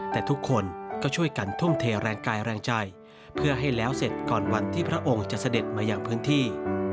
แต่ทุกคนก็ช่วยกันทุ่มเทแรงกายแรงใจเพื่อให้แล้วเสร็จก่อนวันที่พระองค์จะเสด็จมาอย่างพื้นที่